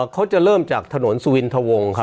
เขาจะเริ่มจากถนนสุวินทะวง